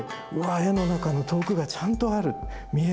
絵の中の遠くがちゃんとある見える